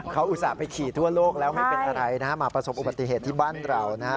เขาอุตส่าห์ไปขี่ทั่วโลกแล้วไม่เป็นอะไรนะฮะมาประสบอุบัติเหตุที่บ้านเรานะฮะ